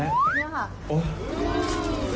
นี่ค่ะ